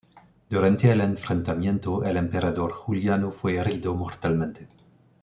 Durante el enfrentamiento el emperador Juliano fue herido mortalmente.